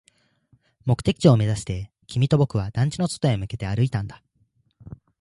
目的地を目指して、君と僕は団地の外へ向けて歩いたんだ